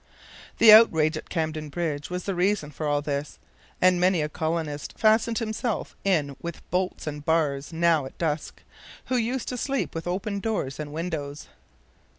The outrage at Camden Bridge was the reason for all this, and many a colonist fastened himself in with bolts and bars now at dusk, who used to sleep with open doors and windows.